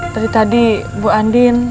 tadi tadi bu andin